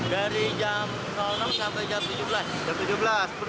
dari jam enam sampai jam tujuh belas